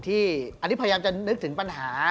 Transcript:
ที่พยายามจะนึกถึงปัญหา